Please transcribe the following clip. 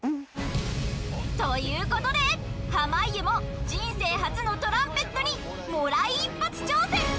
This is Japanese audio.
という事で濱家も人生初のトランペットにもらい一発挑戦！